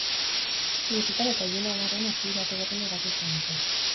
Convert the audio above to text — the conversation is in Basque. Goizetan eta ilunabarrean aktibitate gorena erakusten dute.